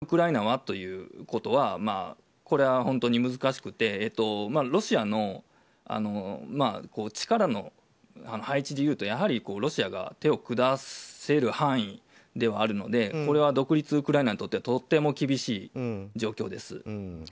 そこでウクライナはということはこれは本当に難しくてロシアの力の配置で言うとやはりロシアが手を下せる範囲ではあるのでこれは独立ウクライナにとってはとても厳しい状況です。